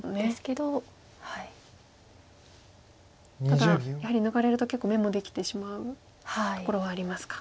だからやはり抜かれると結構眼もできてしまうところはありますか。